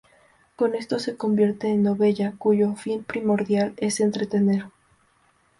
Con esto se convierte en "novella", cuyo fin primordial es entretener.